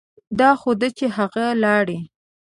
دا خو ده چې هغه لاړې.